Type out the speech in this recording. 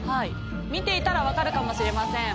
見ていたらわかるかもしれません。